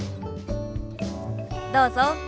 どうぞ。